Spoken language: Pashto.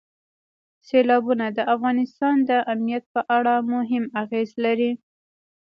سیلابونه د افغانستان د امنیت په اړه هم اغېز لري.